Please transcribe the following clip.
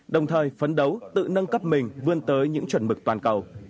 đồng thời phấn đấu tự nâng cấp mình vươn tới những chuẩn mực toàn cầu